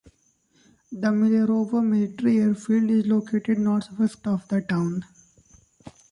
The Millerovo military airfield is located northwest of the town.